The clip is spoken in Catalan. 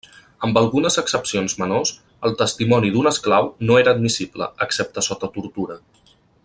Amb algunes excepcions menors, el testimoni d'un esclau no era admissible, excepte sota tortura.